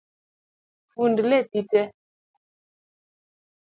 Fund lepi tee